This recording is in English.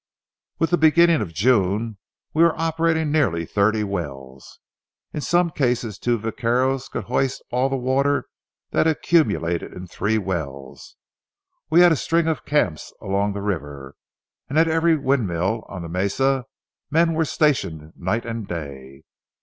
With the beginning of June, we were operating nearly thirty wells. In some cases two vaqueros could hoist all the water that accumulated in three wells. We had a string of camps along the river, and at every windmill on the mesas men were stationed night and day.